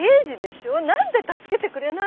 なんで助けてくれないのよ！」